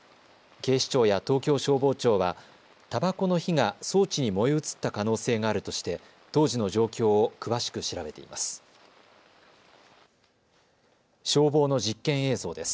警視庁や東京消防庁はたばこの火が装置に燃え移った可能性があるとして当時の状況を詳しく調べています。